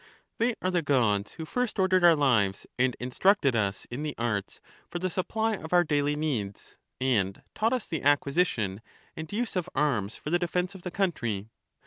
They are the Gods who first jj"JJj tahnem ordered our lives, and instructed us in the arts for the supply arts, of our daily needs, and taught us the acquisition and use of arms for the defence of the country.